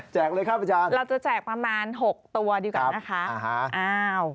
แจกเลยครับอาจารย์เราจะแจกประมาณ๖ตัวดีกว่านะคะอ้าว